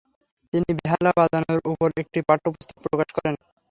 তিনি বেহালা বাজানোর উপর একটি পাঠ্যপুস্তক প্রকাশ করেন।